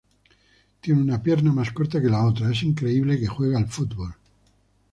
Tiene una pierna mas corta que la otra, es increíble que juegue al fútbol.